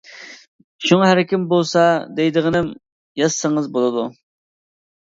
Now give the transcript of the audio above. شۇڭا ھەركىم بولسا دەيدىغىنىم، يازسىڭىز بولىدۇ.